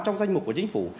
trong danh mục của chính phủ